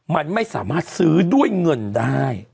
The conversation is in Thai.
มันไม่สามารถซื้อด้วยเงินได้